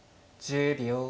１０秒。